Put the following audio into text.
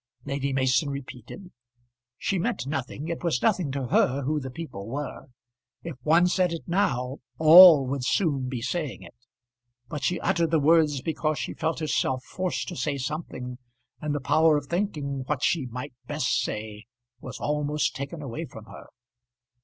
Lady Mason repeated. She meant nothing; it was nothing to her who the people were. If one said it now, all would soon be saying it. But she uttered the words because she felt herself forced to say something, and the power of thinking what she might best say was almost taken away from her.